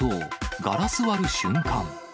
ガラス割る瞬間。